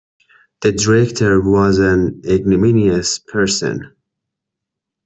The director was an ignominious person.